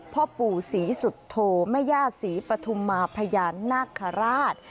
พ่อปู่ศรีสุโธแม่ย่าศรีปฐุมมาพญานาคาราช